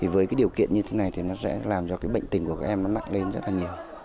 với cái điều kiện như thế này thì nó sẽ làm cho cái bệnh tình của các em nó nặng lên rất là nhiều